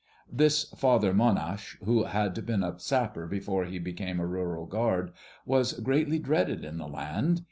This Father Monhache, who had been a sapper before he became a rural guard, was greatly dreaded in the land.